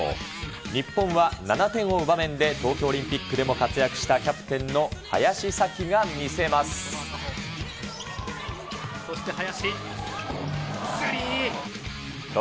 日本は７点を追う場面で東京オリンピックでも活躍したキャプテンそして林。